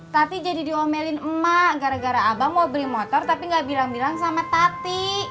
tati jadi diomelin emak gara gara abang mau beli motor tapi gak bilang bilang sama tati